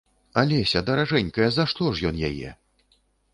Алеся, даражэнькая за што ж ён яе?